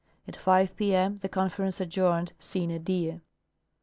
At 5 p m the Conference adjourned sine die.